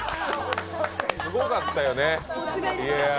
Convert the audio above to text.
すごかったよね。